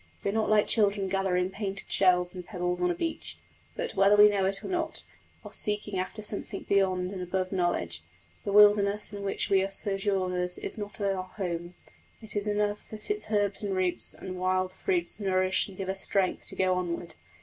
We are not like children gathering painted shells and pebbles on a beach; but, whether we know it or not, are seeking after something beyond and above knowledge. The wilderness in which we are sojourners is not our home; it is enough that its herbs and roots and wild fruits nourish and give us strength to go onward.